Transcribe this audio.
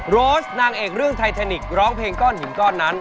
โรสนางเอกเรื่องไทแทนิกร้องเพลงก้อนหินก้อนนั้น